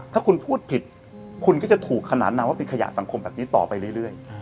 ถ้าคุณพูดผิดคุณก็จะถูกขนานนามว่าเป็นขยะสังคมแบบนี้ต่อไปเรื่อย